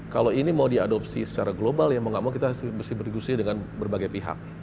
kalau ini mau diadopsi secara global ya mau gak mau kita harus berdiskusi dengan berbagai pihak